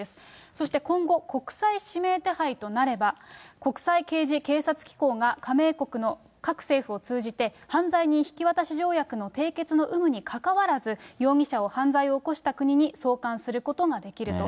そして今後、国際指名手配となれば、国際刑事警察機構が加盟国の各政府を通じて犯罪人引渡条約の締結の有無にかかわらず、容疑者を犯罪を起こした国に送還することができると。